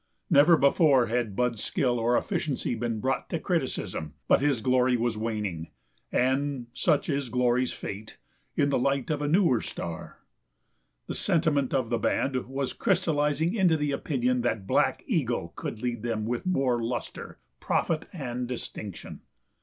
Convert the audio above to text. Never before had Bud's skill or efficiency been brought to criticism; but his glory was waning (and such is glory's fate) in the light of a newer star. The sentiment of the band was crystallizing into the opinion that Black Eagle could lead them with more lustre, profit, and distinction.